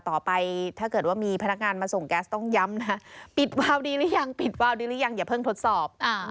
ต่อไปถ้าเกิดว่ามีพนักงานมาส่งแก๊สต้องย้ำนะปิดวาวดีหรือยังปิดวาวดีหรือยังอย่าเพิ่งทดสอบ